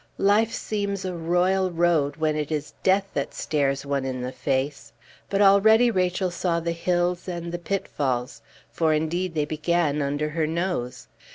Life seems a royal road when it is death that stares one in the face; but already Rachel saw the hills and the pitfalls; for indeed they began under her nose.